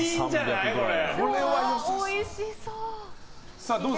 おいしそう。